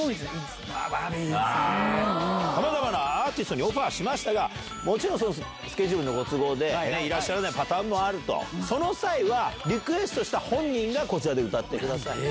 さまざまなアーティストにオファーしましたが、もちろんスケジュールのご都合で、いらっしゃらないパターンもあると、その際は、リクエストした本人がこちらで歌ってくださると。